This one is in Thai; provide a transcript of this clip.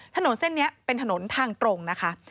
ถนนเส้นนี้เป็นถนนทางตรงนะคะ